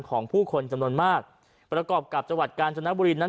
ของผู้คนจำนวนมากประกอบกับจังหวัดกาญจนบุรีนั้น